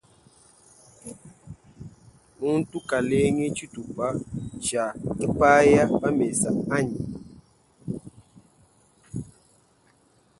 Muntu kalengi tshitupa tshia kpaya pamesa anyi.